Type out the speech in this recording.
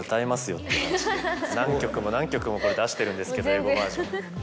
何曲も何曲も出してるんですけど英語バージョン。